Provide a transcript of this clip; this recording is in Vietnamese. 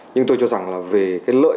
nhưng tôi cho rằng là về cái lợi